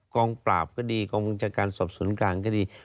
กองปราบก็ดีกองมันจัดการสอบสนการก็ดี